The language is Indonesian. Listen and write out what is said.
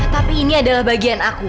tapi ini adalah bagian aku